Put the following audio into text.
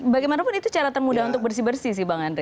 bagaimanapun itu cara termudah untuk bersih bersih sih bang andre